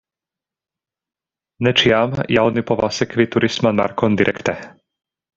Ne ĉiam ja oni povas sekvi turisman markon direkte.